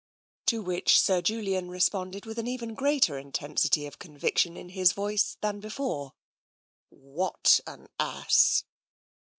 To which Sir Julian responded with an even greater intensity of conviction in his voice than before: " What an ass